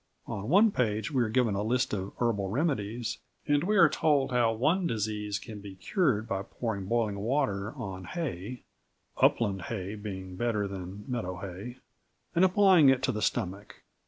On one page we are given a list of herbal remedies, and we are told how one disease can be cured by pouring boiling water on hay (upland hay being better than meadow hay) and applying it to the stomach.